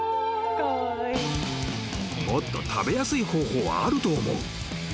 ［もっと食べやすい方法あると思う］